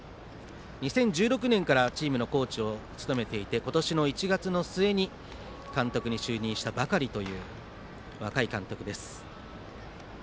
２０１６年からチームのコーチを務めていて今年の１月の末に監督に就任したばかりという若い監督です。